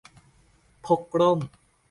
พกร่ม